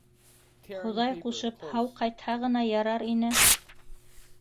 Хоҙай ҡушып, һау ҡайтһа ғына ярар ине.